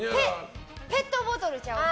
ペットボトルちゃうか？